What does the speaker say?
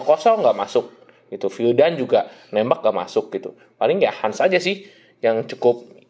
sisanya vildan gak mau nembak